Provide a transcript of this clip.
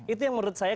itu yang menurut saya